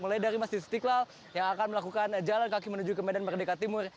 mulai dari masjid istiqlal yang akan melakukan jalan kaki menuju ke medan merdeka timur